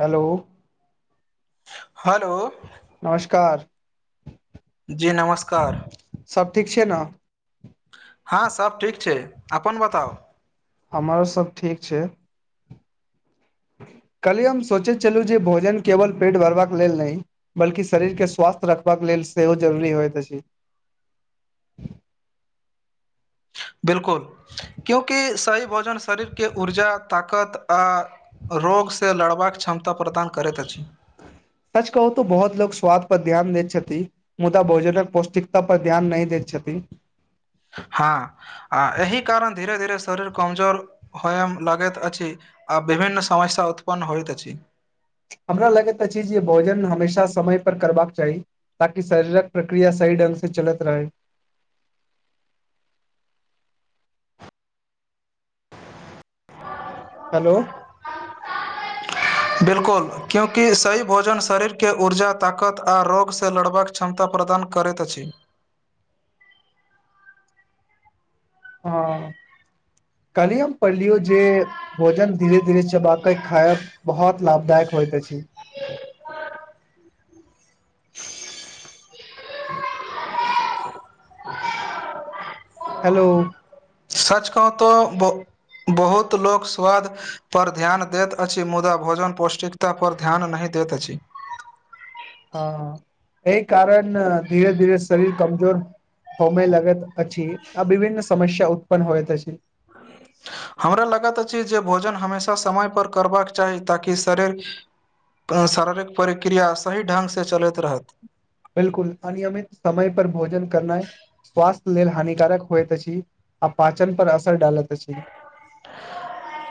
Hello. Hello. नमस्कार। जी नमस्कार। सब ठीक छियै न? हँ सब ठीक छै, अपन बताउ हमर सब ठीक छै। कल्हि हम सोचैत छलहुँ जे भोजन केवल पेट भरबाक लेल नै। बल्कि शरीरके स्वास्थ्य रखबाक लेल सेहो जरूरी होइत अछि। बिलकुल क्योकि सही भोजन शरीरके ऊर्जा ताकत आ। रोगसे लड़बाक क्षमता प्रदान करैत अछि। सच कहू तो बहुत लोक स्वाद पर ध्यान दैत छथि। मुदा भोजनक पौष्टिकता पर ध्यान नै दैत छथि। हँ आ एहि कारण धीरे -धीरे शरीर कमजोर होयम लगैत अछि। आ विभिन्न समस्या उत्पन्न होइत अछि। हमरा लगैत अछि जे भोजन हमेशा समय पर करबाक चाही। ताकि शरीरक प्रक्रिया सही ढंग से चलैत रहै। हलो। बिल्कुल क्योकि सही भोजन शरीरके ऊर्जा ताकत आ रोगसे लड़बाक। क्षमता प्रदान करैत अछि। हँ कहली हम। पढ़लियो जे भोजन धीरे- धीरे चबाकेँ खायब बहुत लाभदायक होइत अछि। [unintelligible] [unintelligible] हेलो। सच कह तो बो। बहुत लोक स्वाद पर ध्यान देत अछि मुदा भोजन पौष्टिक ता पर ध्यान नहि देत अछि। हँ एहि कारण धीरे -धीरे शरीर कमजोर। होबे लगैत अछि आ विभिन्न समस्या उत्पन्न होइत अछि। हमरा लागैत अछि जे भोजन हमेशा समय पर करबाक चाही ताकि शरीर क शारीरिक प्रिक्रिया सही ढंगसे चलैत रहत। बिल्कुल अनियमित समय पर भोजन करनाइ। स्वास्थ्य लेल हानिकारक होइत अछि आ पाचन पर असर डालैत अछि।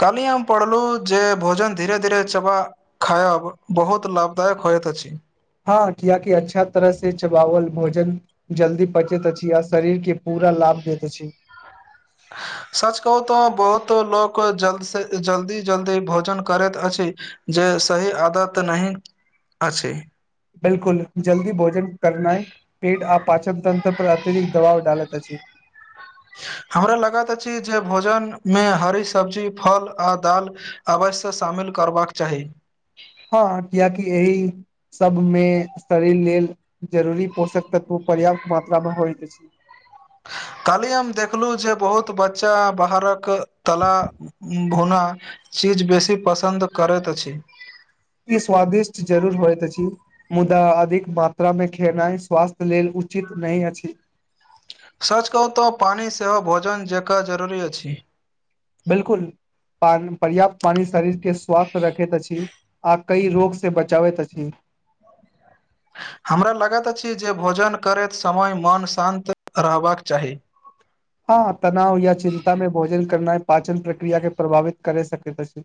काल्ही हम पढ़लौ जे भोजन धीरे -धीरे चबा। खायब बहुत लाभदायक होयत अछि। हँ कियाकि अच्छा तरह से चबाओल भोजन। जल्दी पचैत अछि आ शरीरके पूरा लाभ देैत अछि। [inaudible] सच कहू तऽ बहुत लोक जल्द से जल्दी- जल्दी भोजन करैत अछि। जे सही आदत नहि अछि। बिल्कुल जल्दी भोजन करनाइ। पेट आ पचनतंत्र पर अतिरिक्त दबाव डालैत अछि। हमरा लागत अछि जे भोजन मे हरी सब्जी, फल, आ दाल। अवश्य शामिल करबाक चाही। हँ कियाकि एहि। सबमे शरीर लेल जरूरी पोषक तत्व पर्याप्त मात्रामे होइत अछि। काल्ही हम देखलू जे बहुत बच्चा बाहरक कला। भुना चीज बेसी पसंद करैत अछि। ई स्वादिष्ट जरूर होयत अछि। मुदा अधिक मात्रामे खेनाइ स्वास्थ्य लेल उचित नहि अछि। सच कहू तऽ पानी सेहो भोजन जेकाँ जरूरी अछि। बिल्कुल पान पर्याप्त पानी शरीर के स्वास्थ रखैत अछि आ कई रोग स- - के बचाबैत अछि। हमरा लागैत अछि जे भोजन करैत समय मन शांन्त रहबाक चाही। हँ, तनाव या चिन्ता में भोजन करनाय पाचन प्रक्रिया के प्रभावित करै सकैत अछि।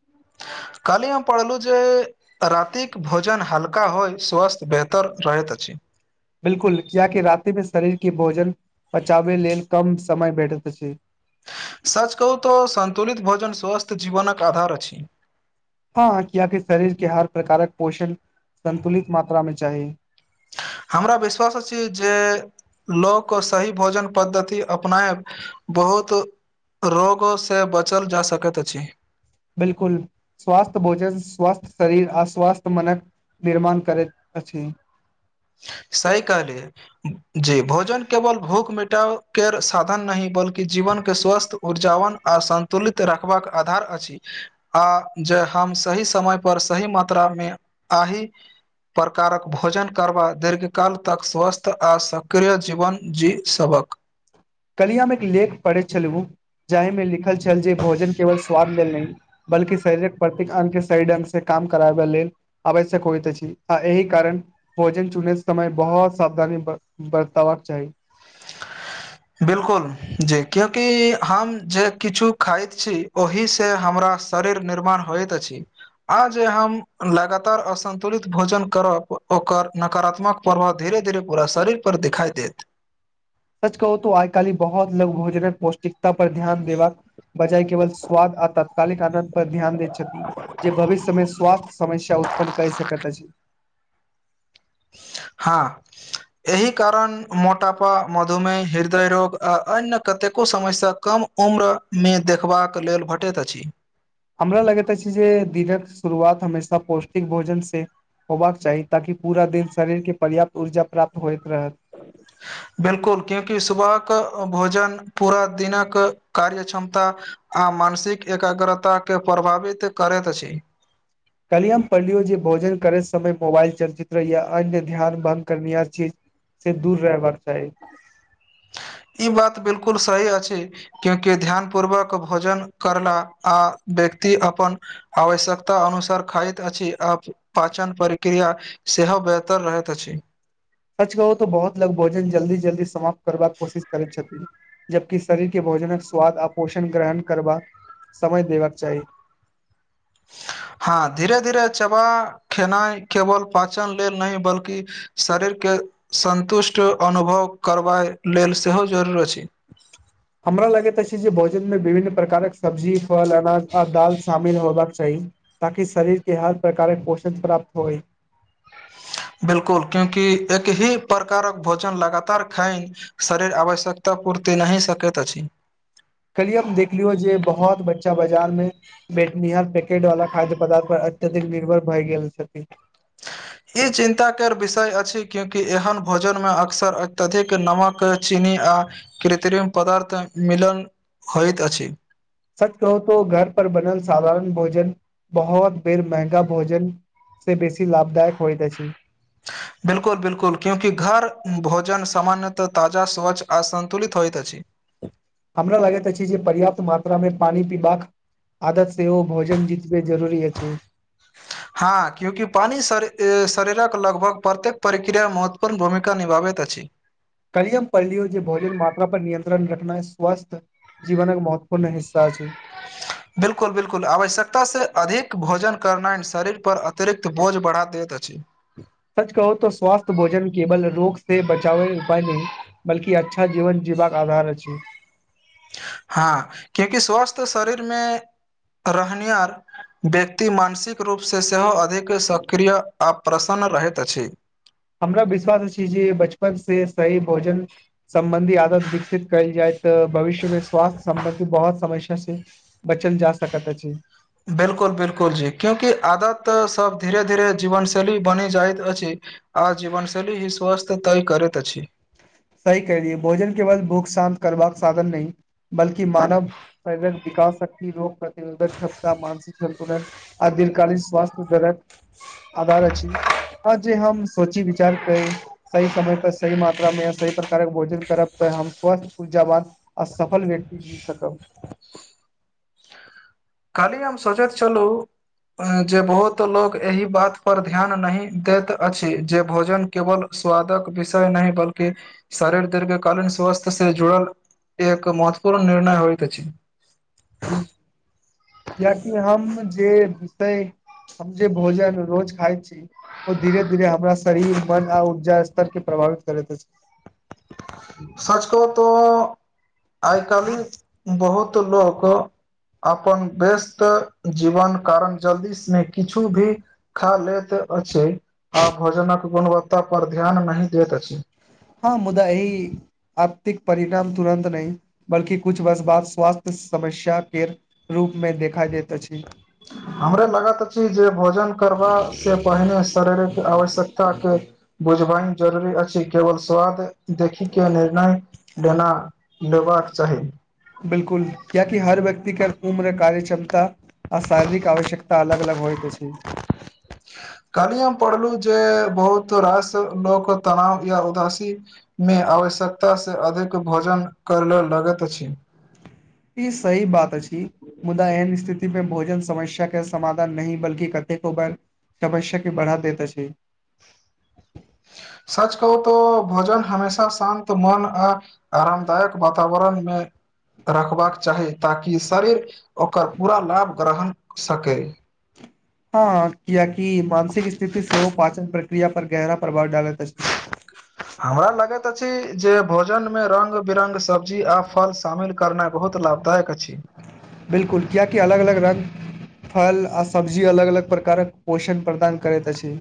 काल्ही हम पढ़लु जे- - रातिक भोजन हल्का होइ स्वस्थ्य बेहतर रहैत अछि। बिल्कुल कियाकि राति मे शरीर के भोजन पचाबे लेल कम समय भेटैत अछि। सच कहू तऽ सन्तुलित भोजन स्वस्थ्य जीवनक आधार अछि। हँ, किया कि शरीर के हर प्रकारक पोषण संन्तुलित मात्रा में चाही। हमरा विश्वास अछि जे लोक सही भोजन पद्धति अपनायब- - बहुत रोगो से बचल जा सकैत अछि। बिलकुल स्वस्थ भोजन, स्वस्थ शरीर, अस्वस्थ मनन- - निर्माण करैत अछि। सही कहलिए - - जी भोजन केवल भूख मिटाव के साधन नहि बल्कि जीवन के स्वस्थ ऊर्जाावन- - आ संन्तुलित रखबाक आधार अछि। आ जे हम सही समय पर सही मात्रा मे आहि- - प्रकारक भोजन- - करबा दीर्घकाल तक स्वस्थ आ सक्रिय जीवन जी सभक- - कलियामे एक लेख पढ़ैत छलु, जाहि मे लिखल छल जे भोजन केवल स्वाद लेल नैय- - बल्कि शारीरिक प्रति अंग के सही ढंग से काम कराबे लेल- - आवश्यक होइत अछि, आ एहि कारण - - भोजन चुने समय बहुत सावधानी ब बरतवा चाही। बिलकुल जी क्युकि हम जे किछु खाइत छी। ओहि से हमरा शरीर निर्माण होइत अछि। आ जे हम लगातार असन्तुलित भोजन करब ओकर नकारात्मक- - परात धीेरे धीेरे पूरा शरीर पर दिखाई देैत। सच कहू तऽ आइ काली बहुत लोग भोजन पौष्टिक- - तब ध्यान देबाक बजाय केवल स्वाद आ तात्कालिक आनन्द पर ध्यान दैत छथि। जे भविष्यमे स्वस्थ्य समस्य उत्पन्न कै सकैत अछि। हां - - एहि कारण मोटापा, मधुमेह, हृदय रोग आ अन्य कतेको समाय से कम- - उम्रमे देखबाक लेल भटैत अछि। हमरा लगैत अछि जे दिनक शुरुआत हमेशा पौष्टिक भोजन से- - होबाक चाही ताकि पूरा दिन शरीरके पर्याप्त ऊर्जा प्राप्त होइत रहत। बिल्कुल क्यूंकि सुबहक भोजन पूरा दिनक कार्य क्षमता- - आ मानसिक एकाग्रता के प्रभावित करैत अछि। कहलियए हम पढ़लियो जे भोजन करे समय मोबाइल चर्चित रहहिय अन्य ध्यान भ्ग करनिर छैए- - से दूर रहबाक चाही। ई बात बिल्कुल सही अछि। क्यूंकि ध्यान पूर्वक भोजन करला आ व्यक्ति अपन- - आवश्यकता अनुसार खाइत अछि आखिर - - पाचन प्रक्रिया सेहो बेहतर रहैत अछि। सच कहू तऽ बहुत लग भोजन जल्दी -जल्दी समाप्त करबाक कोशिश करैत छथिन। जबकि शरीर के भोजनक स्वाद आ पोषण ग्रहण करबाक समय देबाक चाही। हां धीरे-धीरे चबा खेनाइ केवल पाचन लेल नै बल्कि शरीरके सन्तुष्ट अनुभव करबा लेल सेहो जरूर अछि। हमरा लगैत अछि जे भोजन मे विभिन्न प्रकारक सब्जी, फल, अनाज आ दाल शामिल होयबाक चाही। ताकि शरीर के हर प्रकारके पोषक प्राप्त होए। बिल्कुल क्योंकि किसी एक ही प्रकारके भोजन लगातार खाइ। शरीर आवश्यकता पूर्ति नै सकैत अछि। कल्हि हम देखलियो, जे बहुत बच्चे मीना बाजार मे बेटनिहार पैकेट वला खाद्य पदार्थ पर अत्यधिक निर्भर भए गेल छथि। ई चिन्ता कर विषय अछि, क्यूंकि एहन भोजनमे अक्सर अत्यधिक नमक तऽ चीनी आ कृत्रिम पदार्थ मिलन होइत अछि। सच कहूं तो घर पर बनल साधारण भोजन बहुत बेर मेहगा भोजन से बेसी लाभदायक होइत अछि। बिलकुल-बिल्कुल क्योकि घर भोजन सामान्यतः ताजा स्वच्छ आ सन्तुलित होइत अछि। हमरा लगैत अछि, जे पर्याप्त मात्रामे पानी पीबाक आदत सेहो भोजन जीतबे जरूरी अछि। हां क्यूंकि पानी श शरीरक लगभग प्रत्येक प्रक्रिया मे महत्वपूर्ण भूमिका निभाबैत अछि। कल्हि हम पढ़लियो, जे भोजन मात्रा पर नियंत्रण रखनाय स्वस्थ जीवनक महत्वपूर्ण हिस्सा छैय। बिल्कुल बिल्कुल आवश्यकता से अधिक भोजन करनाइ शरीर पर अतिरिक्त बोझ बढ़ा दैत अछि। सच कहूं तो स्वास्थ्य भोजन केवल रोग से बचावै उपाय नै बल्कि अच्छा जीवन जीबाक आधार अछि। हां कियाकि स्वस्थ शरीरमे रहनिहार व्यक्ति मानसिक रूपसे सेहो अधिक सक्रिय आ प्रसन्न रहैत अछि। हमरा विश्वास अछि, जे बचपन से सही भोजन सम्बन्धी आदत विकसित कयल जाय तऽ भविष्य मे स्वास्थ्य सम्बन्धी बहुत समस्या से बचल जा सकत अछि। बिल्कुल बिल्कुल जी क्यूंकि आदत सब धीरे- धीरे जीवनशैली बनि जाइत अछि। आ जीवनशैली ही स्वस्थ तैय करैत अछि। सही कहेलियै भोजन के केवल भूख शान्त करबाक साधन नै बल्कि मानव शरीरक विकास शक्ति रोग प्रतिरोधक क्षमता मानसिक सन्तुलन आ दीर्घकालीन स्वास्थ्य दरक आधार अछि, हां जे हम सोची विचार कर सही समय पर सही मात समय सही प्रकारक भोजन करब तऽ हम स्वस्थ ऊर्जा वान आ सफल व्यक्ति जी सकब कल्हि हम सोचैैत छलू जे बहुत लोग एहि बात पर ध्यान नही देत अछि जे भोजन केवल स्वादक विषय नही बल्कि शरीर दीर्घकालीन स्वस्थ से जुड़ल एक महत्वपूर्ण निर्णय होइत छैय। कियाकि हम जे तैय हम जे भोजन रोज खाइ छी। ओ धीरे-धीरे हमरा शरीर मन आ ऊर्जा के प्रभावित करैत अछि। सच कहूं तो आइ काल्हि बहुत लोक अपन व्यस्त जीवन कारण जल्दी से किछु भी खा लैत अछि आ भोजनक गुणवत्ता पर ध्यान नहि दैत अछि। हां मुदा एई। आत्तिक परिणाम तुरन्त नय, बल्कि कुछ वर्ष बाद स्वास्थ्य समस्या केर। रूपमे देखा जाइत अछि। हमरा लागैत अछी जे भोजन करबा से पहिने शरीरक आवश्यकता के बुझबाइन जरूरी अछि। केवल स्वाद देखी के निर्णय लेना लेबाक चाही। बिलकुल, कियैकि हर व्यक्ति के उम्र कार्य क्षमता आ शारीरिक आवश्यक तऽ अलग -अलग होइत अछि। कल्ली हम पढ़लु जे, बहुत रास लोक तनाव या उदासी मे आवश्यकतासँ अधिक भोजन करल लगैत अछि। ई सही बात अछि, मुदा एहन स्थिति मे भोजन समश्या के समाधान नहि बल्कि कतेको बार, समस्या के बढ़ा दैत अछि। सच कहू तो भोजन हमेशा शान्त, मन आ आरामदायक वातावरणमे रखबाक चाही ताकि शरीर ओकर पूरा लाभ ग्रहण सकै। हँ कियेकि मानसिक स्थिति सेहो पाचन प्रक्रिया पर गहरा प्रभाव डालैत अछि। [inaudible] हमरा लगैत अछि, जे भोजन में रंग -बिरंग सब्जी आ फल शामिल करनै बहुत लाभदायक अछि। बिलकु कियेकि अलग अलग रङ्ग फल आ सब्जी अलग -अलग प्रकारक पोषण प्रदान करैत अछि।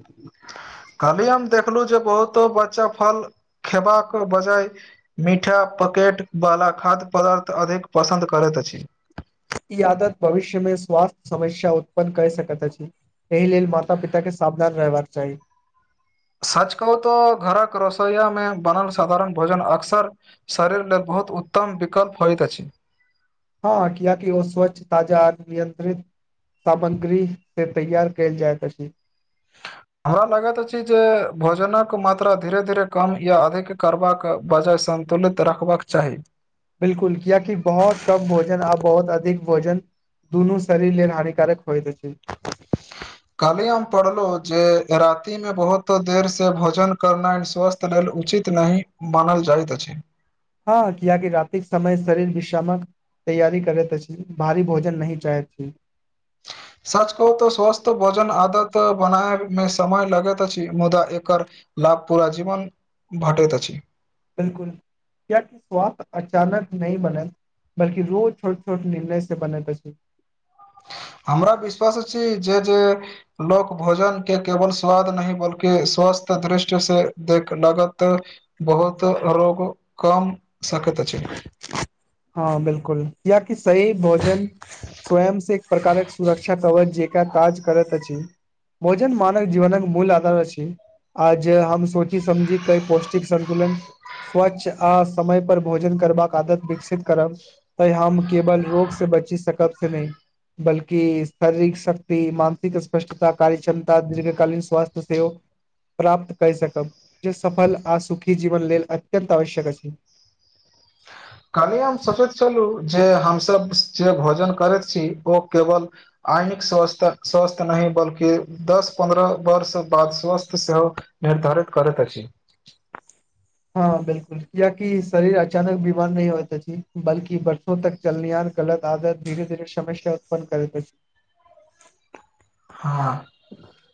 कहली हम देखलू जे बहुतो बच्चा फल खेबाका के बजाय मीठा पकेटवला खाद्य पदार्थ अधिक पसन्द करैत अछि। ई आदत भविष्य में स्वास्थ्य समस्या उत्पन्न कय सकैत अछि। एहि लेल माता -पिता के सावधान रहबाक चाही। सच कहू तऽ घरक रसोइया मे बनल साधारण भोजन अक्सर शरीर लय बहुत उत्तम विकल्प होइत अछि। हँ, कियकि ओ स्वच्छ, ताजा आ नियंत्रित सामग्रीह से तैयार कैल जाइत अछि। हमरा लागैत अछि जे भोजनक मात्रा धीरे -धीरे कम या अधिक करबाक बजाय सन्तुलित रखबाक चाही। बिलकुल, कियेकि बहुत कम भोजन आ बहुत अधिक भोजन दुनू शरीर लेल हानिकारक होइत अछि। [inaudible] कहली हम पढ़लौं जे राति में बहुत देर से भोजन करनाय स्वस्थ कलेल उचित नहि मानल जाइत अछि। हँ कियेकि रातिक समय शरीर विश्रामक तैआरी करैत अछि। भारी भोजन नहि चाहैत छी। सच कहू तऽ स्वस्थ भोजन आदत बनाय मे, समय लगैत अछि मुदा एकर लाभ पूरा जीवन भटैत अछि। बिलकुल क्यकि स्वास्थ अचानक नय बनत। बल्कि रोज छोट -छोट निर्णय स बनैत अछि। हमरा विश्वास अछि, जे -जे लोक भोजन के केवल स्वाद नहि बल्कि स्वस्थ दृष्टि से देख लागत बहुत रोग कम सकैत अछि। हँ बिलकुल कियाकि सही भोजन स्वयं से एक प्रकारक सुरक्षा कवच जे काज करत अछि भोजन मानव जीवनक मूल आधार अछि। आज हम सोची समझी कई पौष्टिक संन्तुलन स्वच्छ आ समय पर भोजन करबाक आदत विकसित करब तऽ हम केवल रोग से बची सकब से नहि बल्कि शारीरिक शक्त मानसिक स्पष्टता कार्य क्षमता दीर्घकालीन स्वासथ्य सेओ प्राप्त कये सकब जे सफल आ सुखी जीवन लेल अत्यन्त आवश्यक अछि। खलिय हम सोचैत छलू जे हमसब जे भोजन करैत छी ओ केवल आइनिक स्वस्थ-स्वस्थ नहि बल्कि दस पन्द्रह वर्ष बाद स्वस्थ सेहो निर्धारित करैत अछि। हँ बिलकुल कियकि शरीर अचानक बीमार नहि हौत अछि बल्कि बरसों तक चलनियान गलत आदत धीरे-धीरे समस्या उत्पन्न करैत अछि। हाँ।